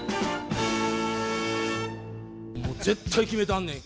もう絶対決めたんねん